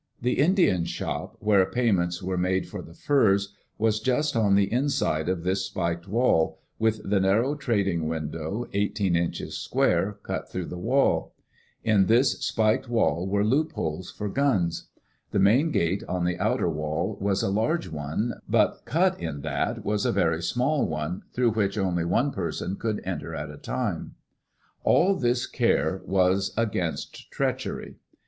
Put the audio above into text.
The Indian shop, where pay ment was made for the furs, was just on the inside of this Digitized by CjOOQ IC DANGER AT FORT WALLA WALLA spiked wall, with die narrow trading window, eig'iteen inches square, cut dirough die wall. In this spiked wall were loopholes for guns. The main gate on the outer wall was a large one, but cut in that was a very small one, through which only one person could enter at a time. All this care was against treachery.